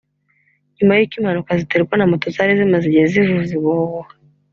nyuma y’uko impanuka ziterwa na moto zari zimaze igihe zivuza ubuhuha